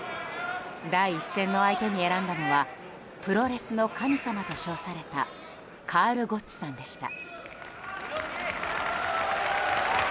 第１戦の相手に選んだのはプロレスの神様と称されたカール・ゴッチさんでした。